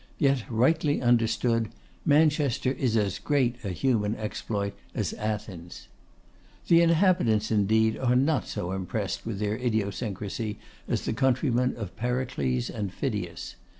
Yet, rightly understood, Manchester is as great a human exploit as Athens. The inhabitants, indeed, are not so impressed with their idiosyncrasy as the countrymen of Pericles and Phidias.